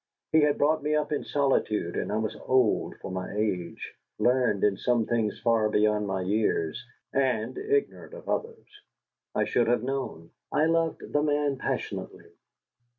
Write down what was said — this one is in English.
He had brought me up in solitude, and I was old for my age, learned in some things far beyond my years, and ignorant of others I should have known. I loved the man passionately.